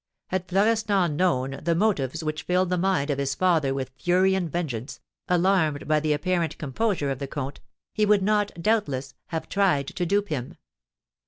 Had Florestan known the motives which filled the mind of his father with fury and vengeance, alarmed by the apparent composure of the comte, he would not, doubtless, have tried to dupe him.